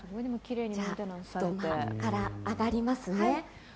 土間から上がりますね。